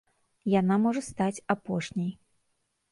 Яна можа стаць апошняй.